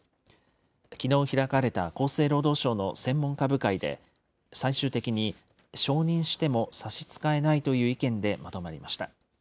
きのう開かれた厚生労働省の専門家部会で、最終的に承認しても差し支えないという意見でまとまりました。